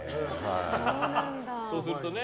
そうするとね。